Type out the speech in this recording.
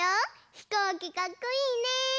ひこうきかっこいいね！